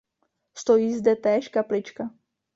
Stojí zde též kaplička.